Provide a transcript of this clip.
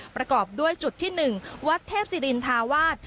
ประกอบด้วยจุดที่๑วัดเทพศิรินทาวาส